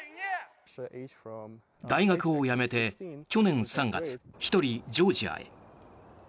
大学を辞めて去年３月１人ジョージアへ。